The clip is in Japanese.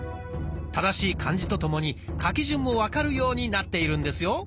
正しい漢字とともに書き順も分かるようになっているんですよ。